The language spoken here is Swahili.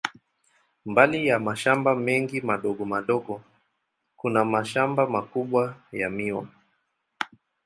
Mbali ya mashamba mengi madogo madogo, kuna mashamba makubwa ya miwa.